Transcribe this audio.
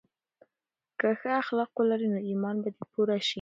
که ښه اخلاق ولرې نو ایمان به دې پوره شي.